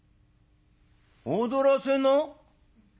「踊らせな。